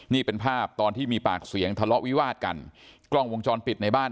นี่เป็นภาพตอนที่มีปากเสียงทะเลาะวิวาดกันกล้องวงจรปิดในบ้าน